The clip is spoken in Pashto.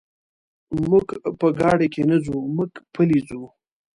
موږ په ګاډي کې نه ځو، موږ پلي ځو.